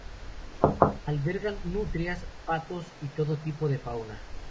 Albergan nutrias, patos y todo tipo de fauna.